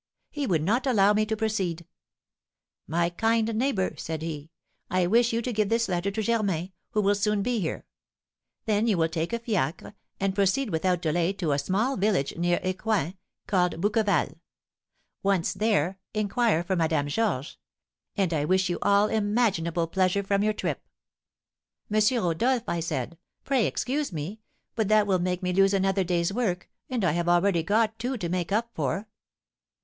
He would not allow me to proceed. 'My kind neighbour,' said he, 'I wish you to give this letter to Germain, who will soon be here. Then you will take a fiacre, and proceed without delay to a small village, near Ecouen, called Bouqueval. Once there, inquire for Madame Georges; and I wish you all imaginable pleasure from your trip.' 'M. Rodolph,' I said, 'pray excuse me, but that will make me lose another day's work and I have already got two to make up for.'